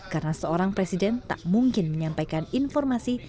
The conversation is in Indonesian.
karena seorang presiden tak mungkin menyampaikan informasi